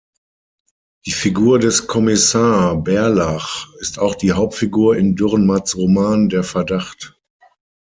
Die Figur des Kommissar Bärlach ist auch die Hauptfigur in Dürrenmatts Roman "Der Verdacht".